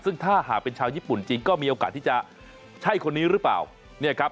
ซึ่งภาพจะเป็นชาวญี่ปุ่นก็มีโอกาสที่จะใช่คนนี้หรือเปล่า